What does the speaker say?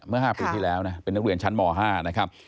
เมื่อ๕ปีที่แล้วนะเป็นนักเรียนชั้นม๕นะครับ